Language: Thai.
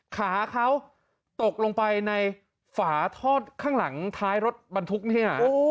ขาเขาตกลงไปในฝาทอดข้างหลังท้ายรถบรรทุกเนี่ย